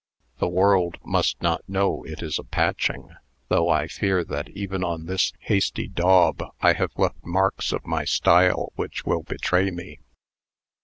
The world must not know it is a Patching though I fear that even on this hasty daub I have left marks of my style which will betray me."